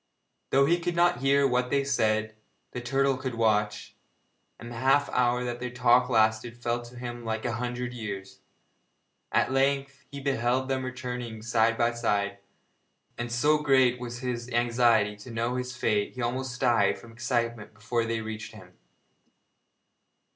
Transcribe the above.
Though he could not hear what they said, the turtle could watch, and the half hour that their talk lasted felt to him like a hundred years. At length he beheld them returning side by side, and so great was his anxiety to know his fate he almost died from excitement before they reached him.